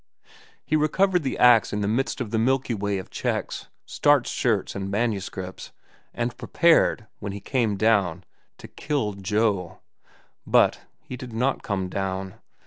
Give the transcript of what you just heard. He recovered the axe in the midst of the Milky Way of checks, starched shirts, and manuscripts, and prepared, when he came down, to kill Joe. But he did not come down.